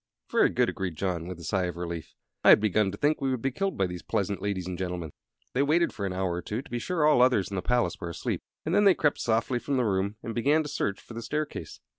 "Very good," agreed John, with a sigh of relief. "I had begun to think we would be killed by these pleasant ladies and gentlemen." They waited for an hour or two, to be sure all others in the palace were asleep, and then they crept softly from the room and began to search for the staircase.